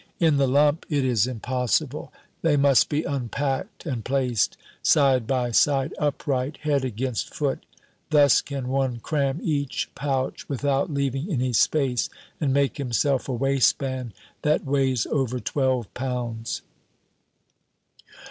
In the lump it is impossible. They must be unpacked and placed side by side upright, head against foot. Thus can one cram each pouch without leaving any space, and make himself a waistband that weighs over twelve pounds.